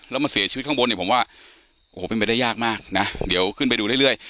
แล้วมาเสียชีวิตข้างบนเนี่ยผมว่าโอ้โหเป็นไปได้ยากมากนะเดี๋ยวขึ้นไปดูเรื่อย